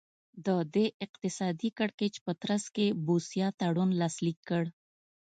د دې اقتصادي کړکېچ په ترڅ کې بوسیا تړون لاسلیک کړ.